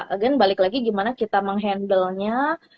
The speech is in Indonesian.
again balik lagi gimana kita menghandlenya